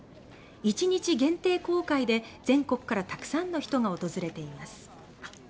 １日限定公開で全国からたくさんの人が訪れています。